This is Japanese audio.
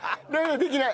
できない。